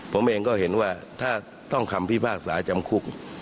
ผมเองก็เห็นว่าถ้าต้องคำพิพากษาจำคุก